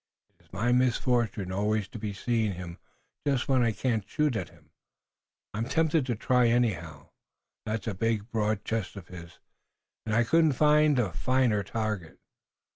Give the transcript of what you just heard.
"It's my misfortune always to be seeing him just when I can't shoot at him. I'm tempted to try it, anyhow. That's a big, broad chest of his, and I couldn't find a finer target."